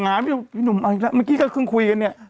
ส่งหาช่วยผู้หญิงเมื่อกี้เดี๋ยวกันครึ่งคุยกันนี่